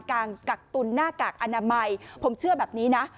กักตุนหน้ากากอนามัยผมเชื่อแบบนี้นะ